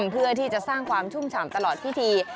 เพื่อที่จะสร้างความชุ่มฉ่ำตลอดพิธี